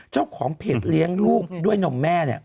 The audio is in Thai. เจ้าของเพจเลี้ยงลูกด้วยนมแม่